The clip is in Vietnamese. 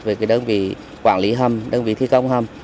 về đơn vị quản lý hầm đơn vị thi công hầm